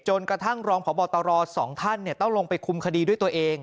กระทั่งรองพบตร๒ท่านต้องลงไปคุมคดีด้วยตัวเอง